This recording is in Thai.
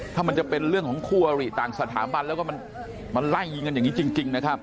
ถ้ามันจะเป็นเรื่องของคู่อริต่างสถาบันแล้วก็มันไล่ยิงกันอย่างนี้จริงนะครับ